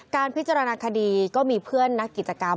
การพิจารณาคดีก็มีเพื่อนนักกิจกรรม